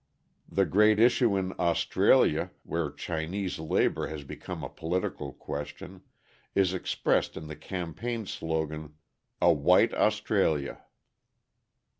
The great issue in Australia, where Chinese labour has become a political question, is expressed in the campaign slogan: "A white Australia."